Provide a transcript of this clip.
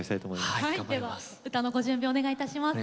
では歌のご準備お願いいたします。